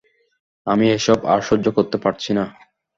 আমি এসব আর সহ্য করতে পারছি না।